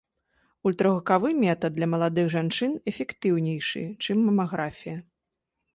Ультрагукавы метад для маладых жанчын эфектыўнейшы, чым мамаграфія.